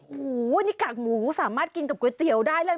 โอ้โหนี่กากหมูสามารถกินกับก๋วยเตี๋ยวได้เลย